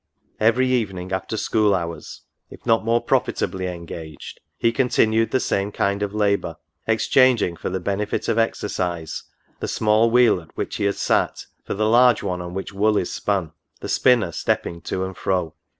Every evening, after school hours, if not more profitably engaged, he continued the same kind of labour, exchanging, for the benefit of exercise, the small wheel, at which he had sate, for the large one on which wool is spun, the spinner stepping to and fro.